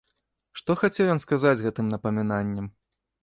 Што хацеў ён сказаць гэтым напамінаннем?